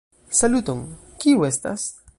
Saluton, kiu estas?